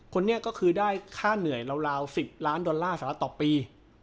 คนนี้ก็คือได้ค่าเหนื่อยราว๑๐ล้านดอลลาร์สหรัฐต่อปี